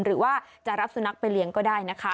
หรือว่าจะรับสุนัขไปเลี้ยงก็ได้นะคะ